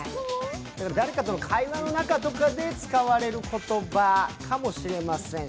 誰かとの会話の中で使われる言葉かもしれません。